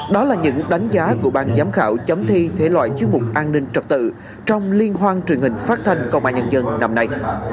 đó là những đánh giá của ban giám khảo chấm thi thể loại chuyên mục an ninh trật tự trong liên hoan truyền hình phát thanh công an nhân dân năm nay